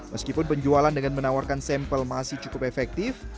meskipun penjualan dengan menawarkan sampel masih cukup efektif